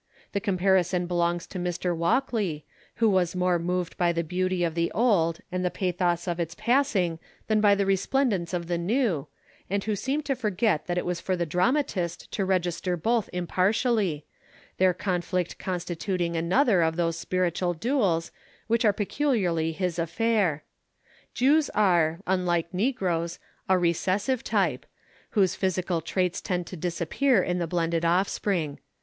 The comparison belongs to Mr. Walkley, who was more moved by the beauty of the old and the pathos of its passing than by the resplendence of the new, and who seemed to forget that it is for the dramatist to register both impartially their conflict constituting another of those spiritual duels which are peculiarly his affair. Jews are, unlike negroes, a "recessive" type, whose physical traits tend to disappear in the blended offspring.